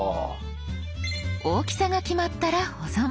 大きさが決まったら保存。